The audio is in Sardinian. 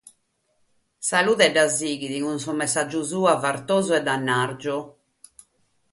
Salude bi la sighit cun su messàgiu suo fartosu e dannàrgiu.